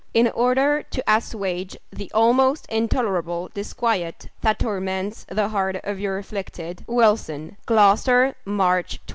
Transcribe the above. in order to assuage the almost intolerable disquiet that torments the heart of your afflicted, WILSON GLOUCESTER, March 31.